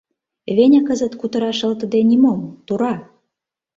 Веня кызыт кутыра шылтыде нимом, тура.